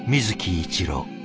一郎。